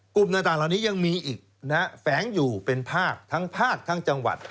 กลุ่มต่างเหล่านี้ยังมีอีกนะฮะแฝงอยู่เป็นภาคทั้งภาคทั้งจังหวัด